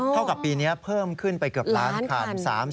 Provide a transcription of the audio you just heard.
เท่ากับปีนี้เพิ่มขึ้นไปเกือบล้านคัน